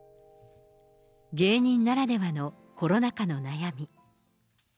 芸人ならではのコロナ下の悩み。